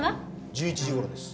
１１時頃です。